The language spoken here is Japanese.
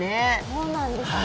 そうなんですね。